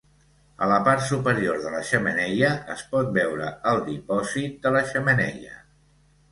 A la part superior de la xemeneia, es pot veure el dipòsit de la xemeneia